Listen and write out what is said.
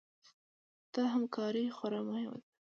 دا همکاري خورا مهمه وه.